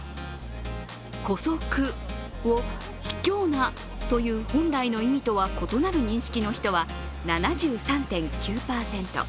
姑息をひきょうなという本来の意味とは異なる認識の人は７３．９％。